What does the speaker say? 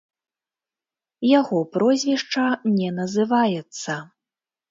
Яго прозвішча не называецца.